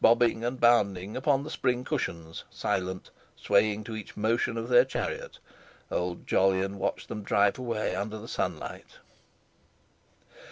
Bobbing and bounding upon the spring cushions, silent, swaying to each motion of their chariot, old Jolyon watched them drive away under the sunlight.